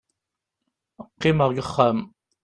qqimeɣ deg uxxam